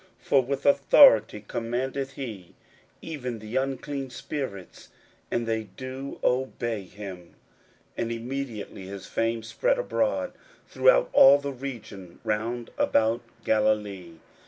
for with authority commandeth he even the unclean spirits, and they do obey him. 41:001:028 And immediately his fame spread abroad throughout all the region round about Galilee.